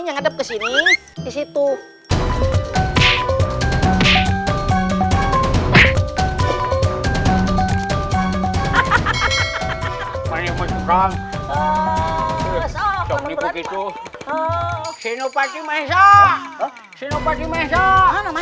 mage gitul jokowi pikir xinofati rendah us ino heads is yang mana